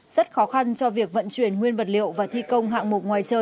rất khó khăn cho việc vận chuyển nguyên vật liệu và thi công hạng mục ngoài trời